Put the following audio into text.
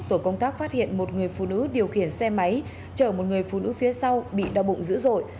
tổ công tác phát hiện một người phụ nữ điều khiển xe máy chở một người phụ nữ phía sau bị đau bụng dữ dội